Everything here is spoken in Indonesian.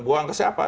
buang ke siapa